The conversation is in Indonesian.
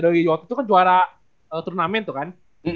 dari waktu itu kan juara turnamen tuh kan